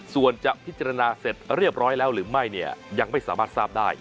ส่วนจะพิจารณาเสร็จเรียบร้อยแล้วหรือไม่เนี่ยยังไม่สามารถทราบได้